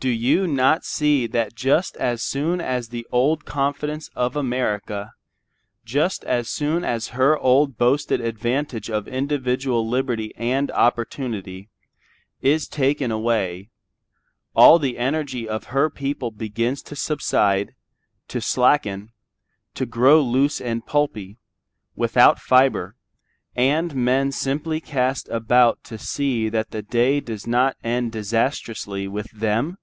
Do you not see that just so soon as the old self confidence of America, just so soon as her old boasted advantage of individual liberty and opportunity, is taken away, all the energy of her people begins to subside, to slacken, to grow loose and pulpy, without fibre, and men simply cast about to see that the day does not end disastrously with them?